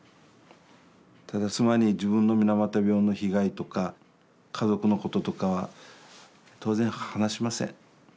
ただ妻に自分の水俣病の被害とか家族のこととかは当然話しません。